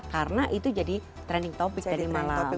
karena itu jadi trending topic dari malam